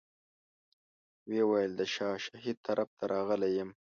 ویې ویل د شاه شهید طرف ته راغلی یم.